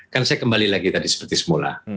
kan saya kembali lagi tadi seperti semula